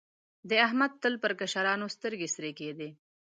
احمد تل پر کشرانو سترګې سرې کېدې.